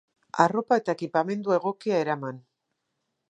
Arropa eta ekipamendu egokia eraman.